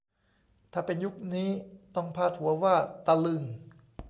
ถ้าเป็นยุคนี้ต้องพาดหัวว่า ตะลึง !